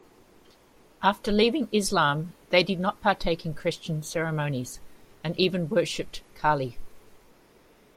After leaving Islam, they did not partake in Christian ceremonies and even worshiped Kali.